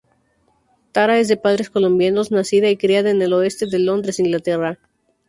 Tara es de padres colombianos, nacida y criada en el oeste de Londres, Inglaterra.